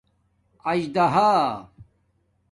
اژدھا